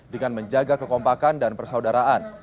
dengan menjaga kekompakan dan persaudaraan